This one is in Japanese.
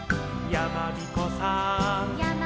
「やまびこさん」